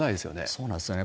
そうなんですよね。